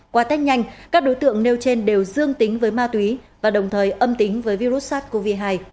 qua test nhanh các đối tượng nêu trên đều dương tính với ma túy và đồng thời âm tính với virus sars cov hai